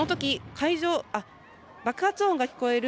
爆発音が聞こえる